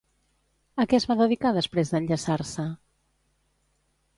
A què es va dedicar després d'enllaçar-se?